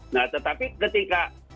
nah tetapi ketika